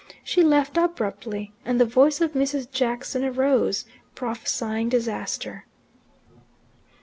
She left abruptly, and the voice of Mrs. Jackson arose, prophesying disaster.